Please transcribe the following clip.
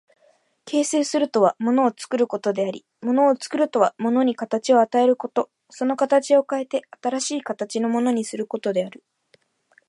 形成するとは物を作ることであり、物を作るとは物に形を与えること、その形を変えて新しい形のものにすることである。